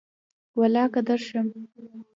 ولاکه درشم